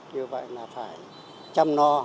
như vậy là phải chăm lo